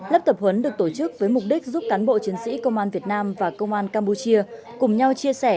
lớp tập huấn được tổ chức với mục đích giúp cán bộ chiến sĩ công an việt nam và công an campuchia cùng nhau chia sẻ